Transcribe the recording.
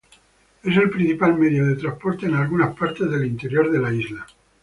Es el principal medio de transporte en algunas partes del interior de la isla.